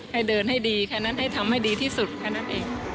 ให้เดินให้ดีแค่นั้นให้ทำให้ดีที่สุดแค่นั้นเอง